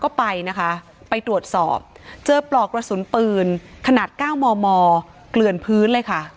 ก็ไปนะคะไปตรวจสอบเจอปลอกกระสุนปืนขนาด๙มมเกลื่อนพื้นเลยค่ะ